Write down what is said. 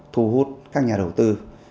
thu hút các nhà đầu tư